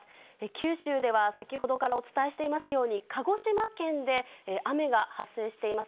九州では先ほどからお伝えしていますように、鹿児島県で雨が発生しています。